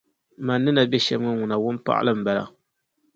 Man' ni na be shɛm ŋɔ ŋuna, wunpaɣili n-bala